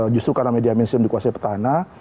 justru karena media mainstream dikuasai petahana